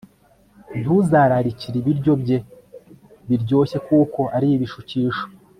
ntuzararikire ibiryo bye biryoshye kuko ari ibishukisho